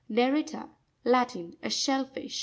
Neri'ta.—Latin. A shell fish.